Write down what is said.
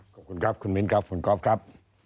ขอบคุณครับคุณมิ้นครับคุณก๊อฟครับ